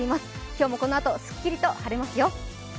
今日も、このあとすっきりと晴れますよ。